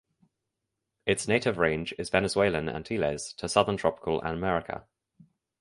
Its native range is Venezuelan Antilles to Southern Tropical America.